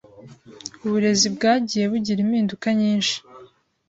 Uburezi bwagiye bugira impinduka nyinshi